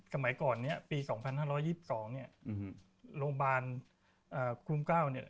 สมัยก่อนปี๒๕๒๒โรงพยพโรงพยาบาลคุ้มก้าว